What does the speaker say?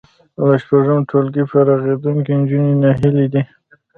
له شپږم ټولګي فارغېدونکې نجونې ناهیلې دي